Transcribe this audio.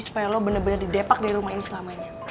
supaya lo bener bener didepak dari rumah ini selamanya